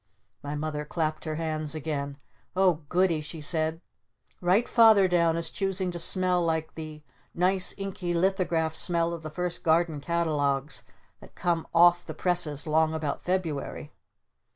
My Mother clapped her hands again. "Oh Goodie!" she said. "Write Father down as choosing to smell like 'the nice inky lithograph smell of the first Garden Catalogues that come off the presses 'long about February'!"